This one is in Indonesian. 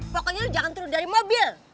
pokoknya jangan turun dari mobil